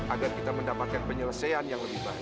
agar kita mendapatkan penyelesaian yang lebih baik